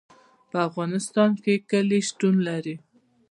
په افغانستان کې کلي شتون لري.